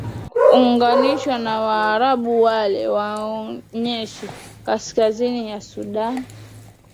unganishwa na waarabu wale wanaoishi kaskazini ya sudan